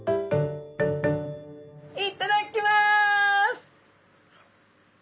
いっただっきます！